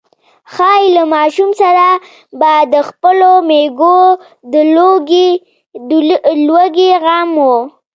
ښايي له ماشوم سره به د خپلو مېږو د لوږې غم و.